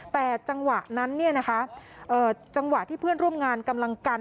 แต่จังหวะนั้นเนี่ยนะคะเอ่อจังหวะที่เพื่อนร่วมงานกำลังกัน